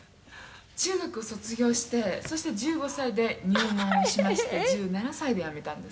「中学を卒業してそして１５歳で入門しまして１７歳で辞めたんです」